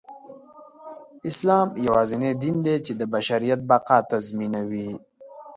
اسلام يواځينى دين دى، چې د بشریت بقاﺀ تضمينوي.